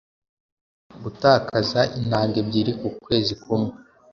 gutakaza intanga ebyiri ku kwezi kumwe.”